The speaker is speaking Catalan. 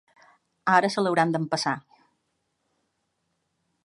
Ara se l'hauran d'empassar.